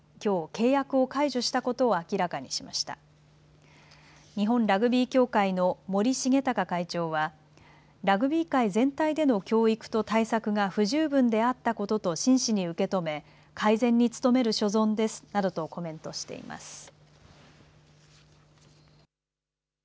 日本ラグビー協会の森重隆会長はラグビー界全体での教育と対策が不十分であったことと真摯に受け止め改善に努める所存ですなどとコメントしています。